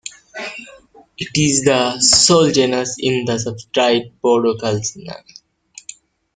It is the sole genus in the subtribe Podocalycinae.